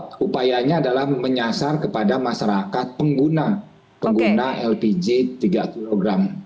nah upayanya adalah menyasar kepada masyarakat pengguna pengguna lpg tiga kg